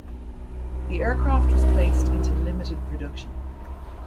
The aircraft was placed into limited production.